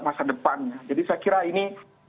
masa depannya jadi saya kira ini